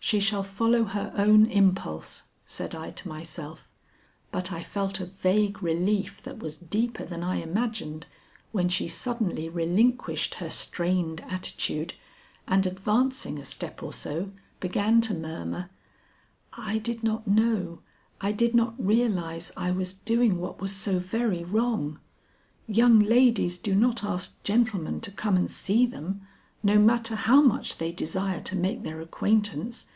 "She shall follow her own impulse," said I to myself, but I felt a vague relief that was deeper than I imagined, when she suddenly relinquished her strained attitude, and advancing a step or so began to murmur: "I did not know I did not realize I was doing what was so very wrong. Young ladies do not ask gentlemen to come and see them, no matter how much they desire to make their acquaintance.